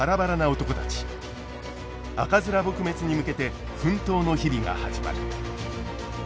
赤面撲滅に向けて奮闘の日々が始まる。